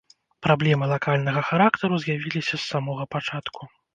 Праблемы лакальнага характару з'явіліся з самога пачатку.